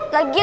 ya ampun ya